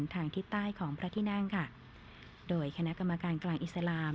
ทางทิศใต้ของพระที่นั่งค่ะโดยคณะกรรมการกลางอิสลาม